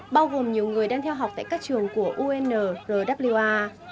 bao gồm nhiều người đang theo học tại các trường của unrwar